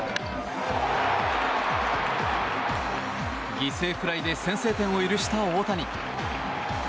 犠牲フライで先制点を許した大谷。